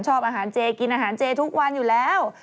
ชอบอาหารเจกินอาหารเจทุกวันอยู่แล้ว